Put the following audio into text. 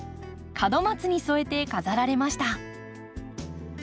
門松に添えて飾られました。